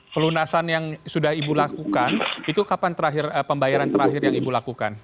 pelunasan yang sudah ibu lakukan itu kapan terakhir pembayaran terakhir yang ibu lakukan